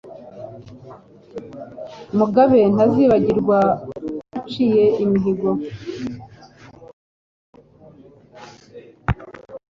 Mugabe ntazibagirwa waciye imihigo,